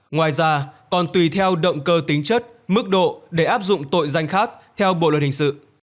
ngoài ra còn tùy theo động cơ tính chất mức độ để áp dụng tội danh khác theo bộ luật hình sự